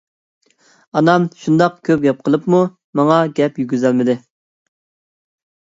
ئانام شۇنداق كۆپ گەپ قىلىپمۇ ماڭا گەپ يېگۈزەلمىدى.